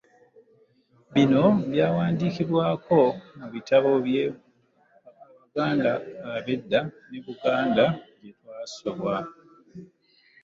Bino byawandiikibwako mu bitabo bye Abaganda Ab’Edda ne Buganda Gye Twasubwa: